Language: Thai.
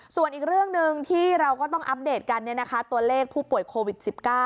ส่วนอีกเรื่องหนึ่งที่เราก็ต้องอัปเดตกันตัวเลขผู้ป่วยโควิด๑๙